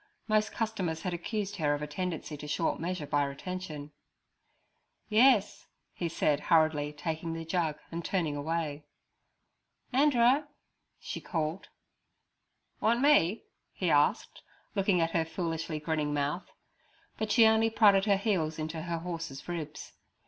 Most customers had accused her of a tendency to short measure by retention. 'Yers' he said, hurriedly taking the jug and turning away. 'Anderer' she called. 'Want me?' he asked, looking at her foolishly grinning mouth; but she only prodded her heels into her horse's ribs.